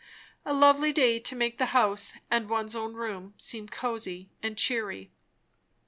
A lovely day to make the house and one's own room seem cosy and cheery.